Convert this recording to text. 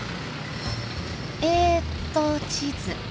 えっと地図。